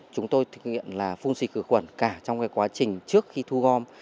chúng tôi thực hiện là phun xịt khử quẩn cả trong quá trình trước khi thu gom